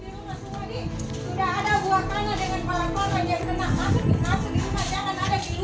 di rumah semua nih sudah ada buah tanah dengan balap balap yang kena